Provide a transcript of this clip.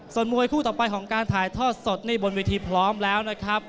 ส่วนมวยคู่ต่อไปของการถ่ายทอดสดนี่บนเวทีพร้อมแล้วนะครับ